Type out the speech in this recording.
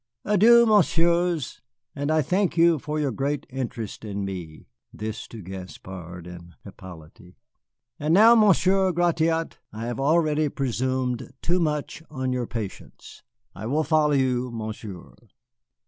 "Adieu, Messieurs, and I thank you for your great interest in me." (This to Gaspard and Hippolyte.) "And now, Monsieur Gratiot, I have already presumed too much on your patience. I will follow you, Monsieur."